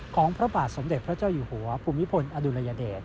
พระบาทสมเด็จพระเจ้าอยู่หัวภูมิพลอดุลยเดช